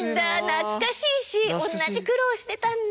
懐かしいし同じ苦労をしてたんだ。